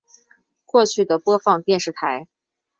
过去的播放电视台